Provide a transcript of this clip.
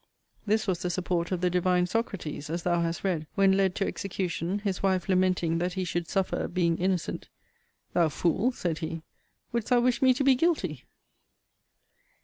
This was the support of the divine Socrates, as thou hast read. When led to execution, his wife lamenting that he should suffer being innocent, Thou fool, said he, wouldst thou wish me to be guilty!